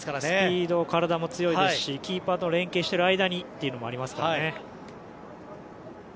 スピード、体も強いですしキーパーと連係している間にというのもありますからね。